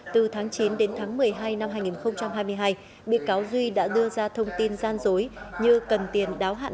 từ tháng chín đến tháng một mươi hai năm hai nghìn hai mươi hai bị cáo duy đã đưa ra thông tin gian dối như cần tiền đáo hạn